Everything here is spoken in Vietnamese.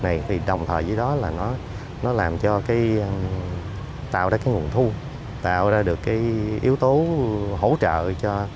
này thì đồng thời với đó là nó làm cho cái tạo ra cái nguồn thu tạo ra được cái yếu tố hỗ trợ cho